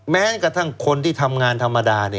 แม้กระทั่งคนที่ทำงานธรรมดา